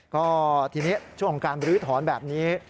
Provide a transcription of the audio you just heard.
ก็ทีนี้ช่วงของการบรื้อถอนแบบนี้